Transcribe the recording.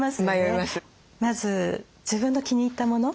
まず自分の気に入ったもの